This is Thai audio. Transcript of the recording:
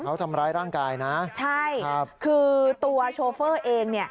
เขาทำร้ายร่างกายนะใช่ครับคือตัวโชเฟอร์เองเนี่ย